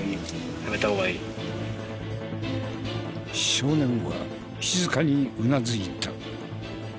少年は静かにうなずいた。